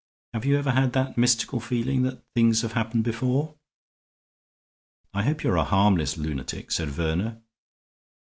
Have you ever had that mystical feeling that things have happened before?" "I hope you are a harmless lunatic," said Verner.